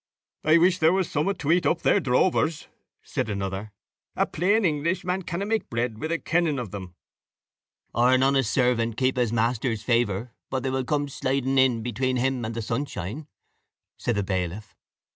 "I wish there was a summat to eat up their drovers," said another; "a plain Englishman canna make bread with a kenning of them." "Or an honest servant keep his master's favour, but they will come sliding in between him and the sunshine," said the bailiff.